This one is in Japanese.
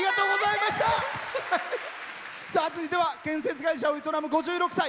続いては建設会社を営む５６歳。